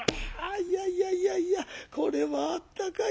「あいやいやいやいやこれはあったかい。